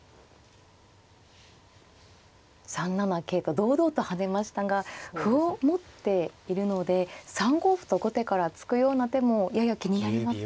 ３七桂と堂々と跳ねましたが歩を持っているので３五歩と後手から突くような手もやや気になりますね。